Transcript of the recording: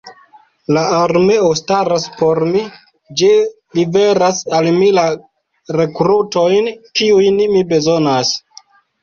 La armeo staras por mi: ĝi liveras al mi la rekrutojn, kiujn mi bezonas.